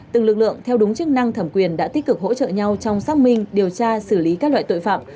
từng lực lượng theo đúng chức năng thẩm quyền đã tích cực hỗ trợ nhau trong xác minh điều tra xử lý các loại tội phạm